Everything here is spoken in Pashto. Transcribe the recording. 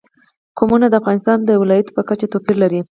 قومونه د افغانستان د ولایاتو په کچه توپیر لري.